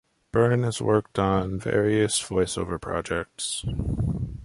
Byrne has worked on various voice-over projects.